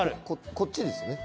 こっちですよね？